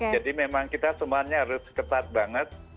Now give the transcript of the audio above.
memang kita semuanya harus ketat banget